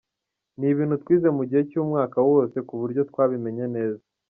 Ni ibintu twize mu gihe cy’umwaka wose ku buryo twabimenye neza.